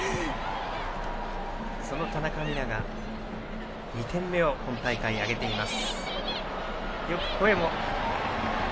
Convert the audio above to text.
その田中美南が２点目を今大会挙げています。